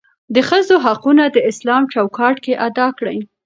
دښځو حقونه داسلام چوکاټ کې ادا کړى.